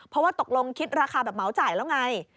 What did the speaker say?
เพราะว่าตกลงคิดราคาแบบเหมาจ่ายแล้วไง